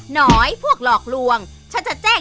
หน่อยพวกหลอกลวงฉันจะแจ้ง๑๒๑๒